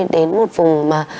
đến một vùng mà